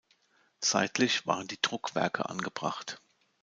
Seitlich waren die Druckwerke angebracht.